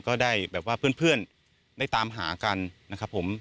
ก็ได้แบบว่าเพื่อนได้ตามหากันนะครับผม